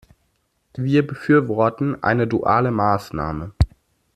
Wir befürworten eine duale Maßnahme.